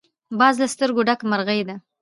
باز له سترګو ډک مرغه دی